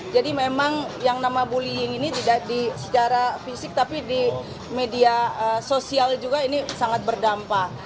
jadi memang yang nama bullying ini tidak secara fisik tapi di media sosial juga ini sangat berdampak